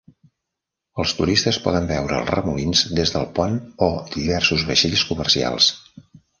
Els turistes poden veure els remolins des del pont o diversos vaixells comercials.